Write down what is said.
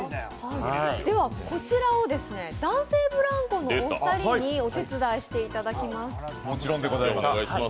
こちらを男性ブランコのお二人にお手伝いしていただきます。